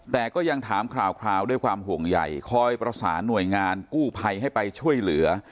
แต่ก็ยังถามคราวด้วยความห่วงใหญ่คอยประสานหน่วยงานกู้ภัยให้ไปช่วยเหลือ